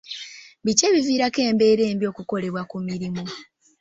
Biki ebiviirako embeera embi ekolebwamu ku mirimu?